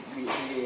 bắt tôi về